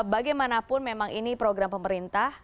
bagaimanapun memang ini program pemerintah